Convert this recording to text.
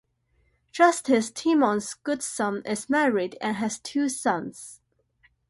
Justice Timmons-Goodson is married and has two sons.